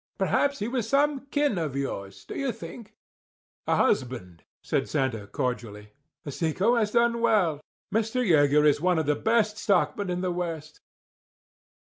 Perhaps he was some kin of yours, do you think?" "A husband," said Santa cordially. "The Seco has done well. Mr. Yeager is one of the best stockmen in the West."